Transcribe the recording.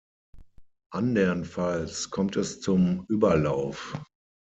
Andernfalls kommt es zum Überlauf.